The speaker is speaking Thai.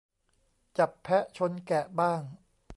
จับแพะชนแกะบ้าง